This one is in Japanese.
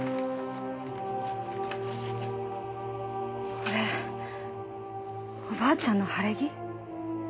これおばあちゃんの晴れ着？